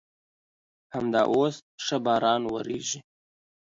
همدا اوس ښه باران ورېږي.